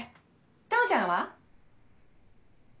珠ちゃんは？